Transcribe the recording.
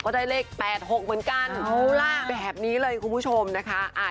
ได้เลข๘๖เหมือนกันแบบนี้เลยคุณผู้ชมนะคะ